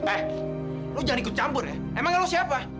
eh lu jangan ikut campur ya emangnya lu siapa